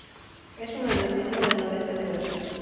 Es un endemismo del noreste de Brasil.